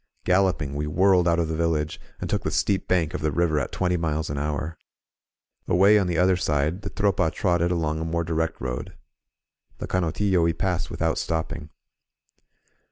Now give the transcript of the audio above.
Galloping, we whirled out of the village, and took the steep bank of the river at twenty miles an hour. Away on the other side, the Tropa trotted along a more direct road. The Canotillo we passed without stopping.